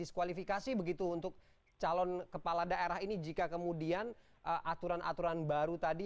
diskualifikasi begitu untuk calon kepala daerah ini jika kemudian aturan aturan baru tadi